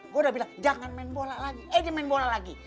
gue udah bilang jangan main bola lagi eh dia main bola lagi